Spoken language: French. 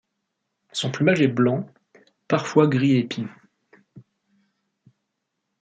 Son plumage est blanc, parfois gris et pie.